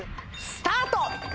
スタート！